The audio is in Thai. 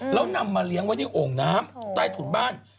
แล้วนำมาเลี้ยงไว้ในโอ่งน้ำใต้ถุนบ้าน